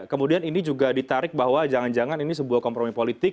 kemudian ini juga ditarik bahwa jangan jangan ini sebuah kompromi politik